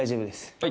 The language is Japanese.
はい。